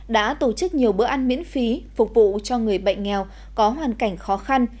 đã tổ chức nhiều bữa ăn miễn phí phục vụ cho người bệnh nghèo có hoàn cảnh khó khăn